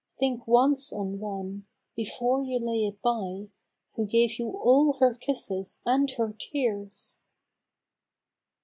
Think once on one, before you lay it by, Who gave you all her kisses and her tears